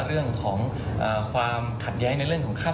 พยายามออกมาใหม่คมครูกันเรื่อยนะครับ